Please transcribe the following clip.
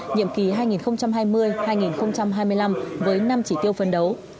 nhiệm kỳ hai nghìn hai mươi hai nghìn hai mươi năm với năm chỉ tiêu phấn đấu